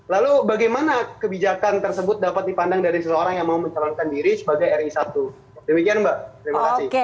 lalu bagaimana kebijakan tersebut dapat dipandang dari seseorang yang mau mencalonkan diri sebagai ri satu demikian mbak terima kasih